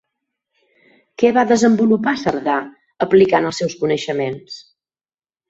Què va desenvolupar Cerdà aplicant els seus coneixements?